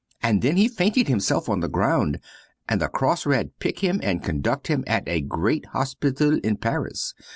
And then he fainted himself on the ground and the Cross Red pick him and conduct him at a great hospital in Paris.